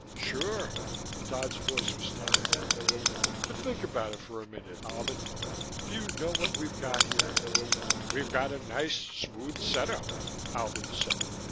"Sure." Dodd's voice was tired. "But think about it for a minute, Albin. Do you know what we've got here?" "We've got a nice, smooth setup," Albin said.